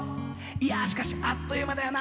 いやあしかしあっという間だよな。